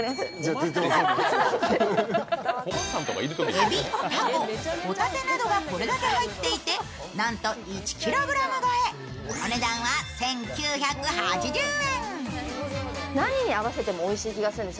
えび、タコ、帆立てなどがこれだけ入っていてなんと１ｋｇ超え、お値段は１９８０円。